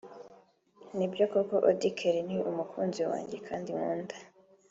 Nibyo koko Auddy Kelly ni umukunzi wanjye kandi nkunda